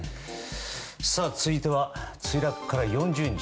続いては、墜落から４０日。